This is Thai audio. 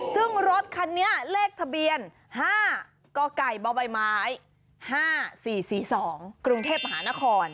ซึ่งรถคันนี้เลขทะเบียน๕กไก่บใบไม้๕๔๔๒กรุงเทพมหานคร